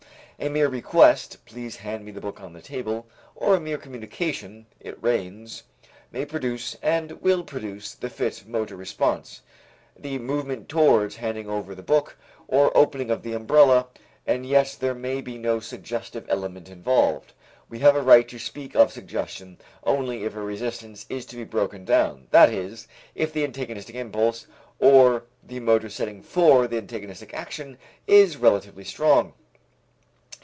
A mere request, "Please hand me the book on the table," or a mere communication, "It rains," may produce and will produce the fit motor response, the movement towards handing over the book or opening of the umbrella, and yet there may be no suggestive element involved. We have a right to speak of suggestion only if a resistance is to be broken down, that is, if the antagonistic impulse, or the motor setting for the antagonistic action is relatively strong.